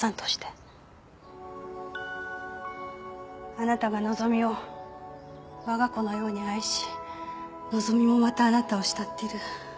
あなたが希美をわが子のように愛し希美もまたあなたを慕ってる